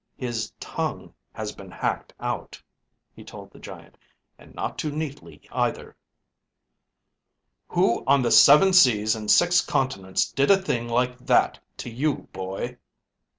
"His tongue has been hacked out," he told the giant. "And not too neatly, either." "Who on the seven seas and six continents did a thing like that to you, boy?"